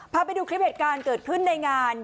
พาไปดูคลิปเหตุการณ์เกิดขึ้นในงาน